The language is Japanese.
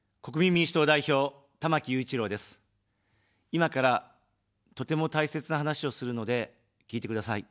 今から、とても大切な話をするので聞いてください。